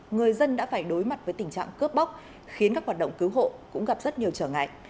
người dân đã phải đối mặt với tình trạng cướp bóc khiến các hoạt động cứu hộ cũng gặp rất nhiều trở ngại